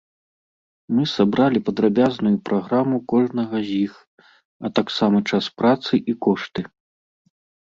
Мы сабралі падрабязную праграму кожнага з іх, а таксама час працы і кошты.